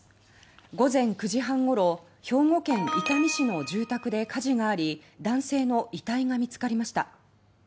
午前９時半ごろ兵庫県伊丹市の住宅で火事があり男性の遺体が見つかりました。